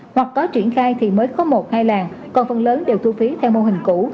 hoặc có triển khai thì mới có một hai làng còn phần lớn đều thu phí theo mô hình cũ